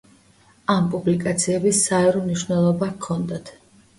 ამ პუბლიკაციების საერო მნიშვნელობა ჰქონდათ.